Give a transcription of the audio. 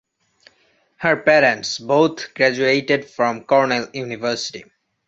Her parents both graduated from Cornell University.